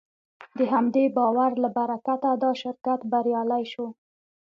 د همدې باور له برکته دا شرکت بریالی شو.